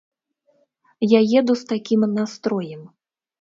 Я еду з такім настроем.